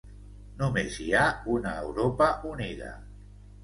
Només hi ha una Europa unida.